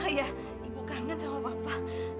ayah ibu kangen sama papa